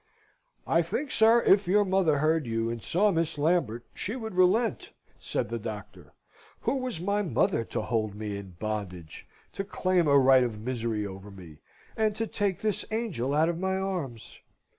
"I think, sir, if your mother heard you, and saw Miss Lambert, she would relent," said the doctor. Who was my mother to hold me in bondage; to claim a right of misery over me; and to take this angel out of my arms?